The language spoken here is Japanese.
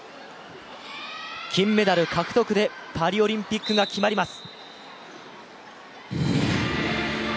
金メダル獲得でパリオリンピックが決まります。